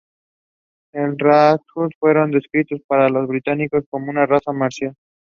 He served as the whip of the parliament.